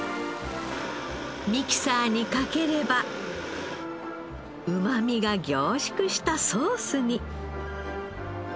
ミキサーにかければうまみが凝縮したソースに。